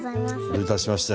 どういたしまして。